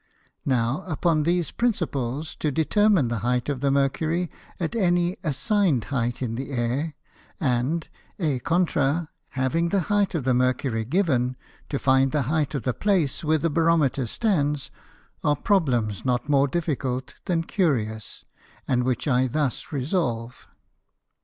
Now, upon these Principles, to determine the height of the Mercury at any assigned height in the Air; and è contra, having the height of the Mercury given, to find the height of the Place where the Barometer stands, are Problems not more difficult than curious; and which I thus resolve.